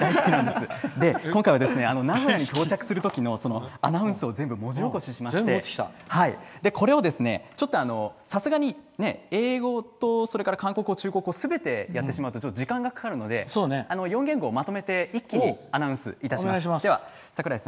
今回は名古屋に到着するときのそのアナウンスを文字起こししましてさすがに英語と韓国語、中国語とすべてやってしまうと時間がかかるので４言語をまとめて一気にアナウンスします。